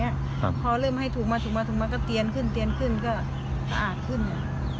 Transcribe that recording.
พอเริ่มให้ถูกมาถูกมาก็เตียนขึ้นก็ละหาดขึ้นน่ะ